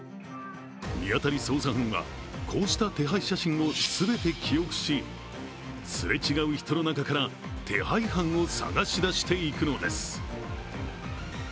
見当たり捜査班は、こうした手配写真を全て記憶しすれ違う人の中から手配犯を捜し出していくのです。